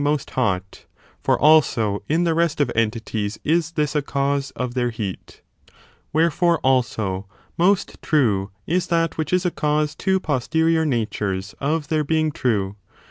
] THE PURSUIT OF TRUTH 49 hot; for also in the rest of entities is this a cause of their heat. Wherefore, also, most true is that which is a cause to posterior natures of their being true.